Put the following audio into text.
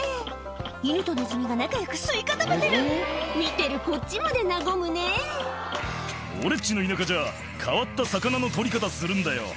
犬とネズミが仲良くスイカ食べてる見てるこっちまで和むね「俺っちの田舎じゃ変わった魚の取り方するんだよ」